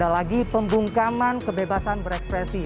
ada lagi pembungkaman kebebasan berekspresi